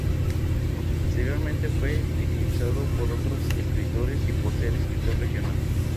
Aunque posteriormente fue eclipsado por otros escritores, y por ser escritor regional.